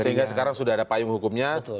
sehingga sekarang sudah ada payung hukumnya